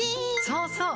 そうそう！